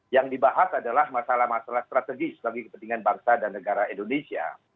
yang dibahas adalah masalah masalah strategis bagi kepentingan bangsa dan negara indonesia